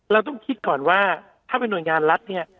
เราต้องคิดก่อนว่าถ้าเป็นหน่วยงานรัฐเนี่ย